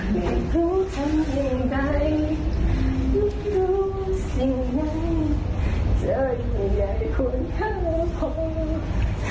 ไม่รู้ว่าสิ่งไหนจะยังไงควรข้าพอ